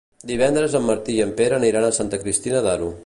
Divendres en Martí i en Pere aniran a Santa Cristina d'Aro.